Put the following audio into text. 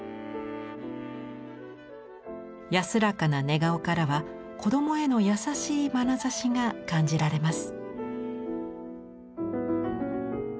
安らかな寝顔からは子供への優しいまなざしが感じられます。